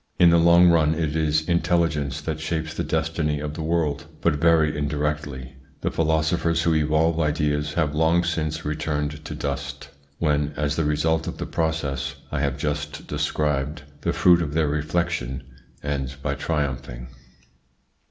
In the long run it is intelligence that shapes the destiny of the world, but very indirectly. The philosophers who evolve ideas have long since returned to dust, when, as the result of the process I have just described, the fruit of their reflection ends by triumphing.